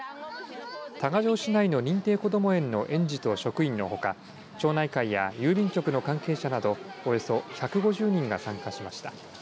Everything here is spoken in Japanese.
多賀城市内の認定こども園の園児と職員のほか町内会や郵便局の関係者などおよそ１５０人が参加しました。